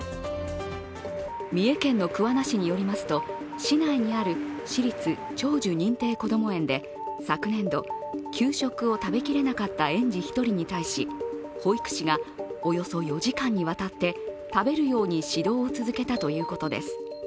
三重県の桑名市によりますと市内にある私立長寿認定こども園で昨年度、給食を食べきれなかった園児１人に対し保育士がおよそ４時間にわたって食べるように指導を続けたということです。